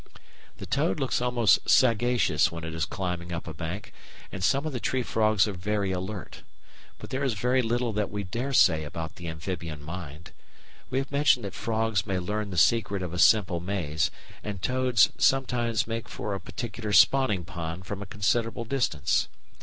The toad looks almost sagacious when it is climbing up a bank, and some of the tree frogs are very alert; but there is very little that we dare say about the amphibian mind. We have mentioned that frogs may learn the secret of a simple maze, and toads sometimes make for a particular spawning pond from a considerable distance.